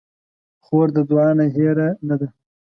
خور د دعا نه هېره نه ده.